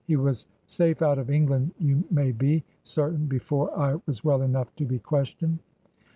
He was safe out of England you may be certain before I was well enough to be questioned."